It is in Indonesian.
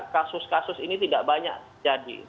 kasus kasus ini tidak banyak jadi